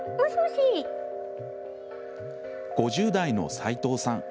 ５０代の斉藤さん。